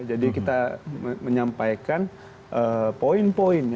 jadi kita menyampaikan poin poin